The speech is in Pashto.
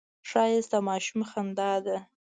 ښایست د ماشوم خندا ده